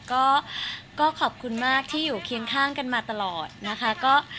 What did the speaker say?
ก็ขอบคุณมากที่อยู่เคียงข้างกันมาตลอดนะคะ